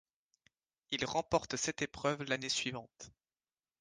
Il remporte cette épreuve l'année suivante.